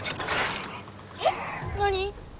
えっ⁉何？